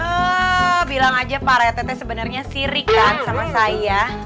ah bilang aja pak retete sebenarnya sirik kan sama saya